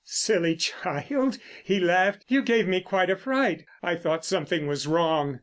"Silly child," he laughed. "You gave me quite a fright. I thought something was wrong."